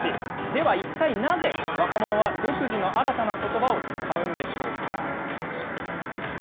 では一体なぜ、若者は独自の新たなことばを使うんでしょうか。